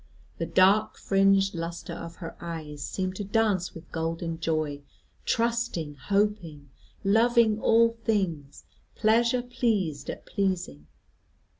The dark fringed lustre of her eyes seemed to dance with golden joy, trusting, hoping, loving all things, pleasure pleased at pleasing.